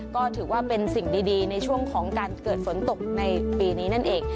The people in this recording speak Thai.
ก็ถือว่าเป็นสิ่งดีในช่วงของการเกิดฝนตกในปีนี้นั่นเอง